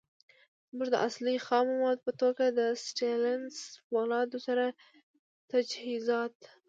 زمونږ د اصلی. خامو موادو په توګه د ستينليس فولادو سره تجهیزات